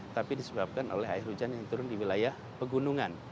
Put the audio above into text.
tapi disebabkan oleh air hujan yang turun di wilayah pegunungan